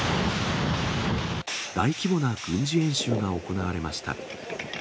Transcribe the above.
大規模な軍事演習が行われました。